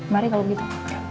mari kalau begitu